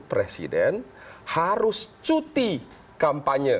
presiden harus cuti kampanye